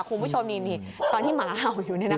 คุณผู้ชมนี่ตอนที่หมาเห่าอยู่